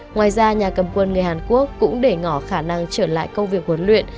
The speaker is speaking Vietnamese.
ngoài ra nhà cầm quân người hàn quốc cũng để ngỏ khả năng trở lại công việc huấn luyện